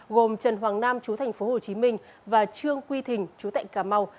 gồm trần hoàng nam chú thành phố hồ chí minh và trương quy thình chú tại cà mau